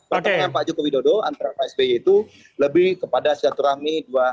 pertama pak jokowi dodo antara pak spi itu lebih kepada silaturahmi dua ribu dua puluh